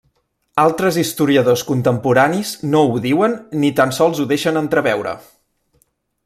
Altres historiadors contemporanis no ho diuen ni tan sols ho deixen entreveure.